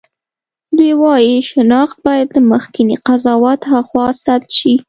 دوی وايي شناخت باید له مخکېني قضاوت هاخوا ثبت شي.